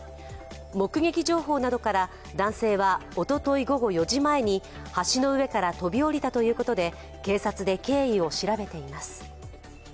目撃情報などから、男性はおととい午後４時前に橋の上から飛び降りたということで警察で経緯を調べています。